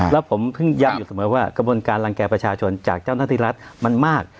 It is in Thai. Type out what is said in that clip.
แล้วผมเพิ่งย้ำอยู่เสมอว่ากระบวนการรังแก่ประชาชนจากเจ้าหน้าที่รัฐมันมาก